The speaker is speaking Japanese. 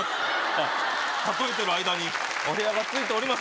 あっ例えてる間にお部屋着いております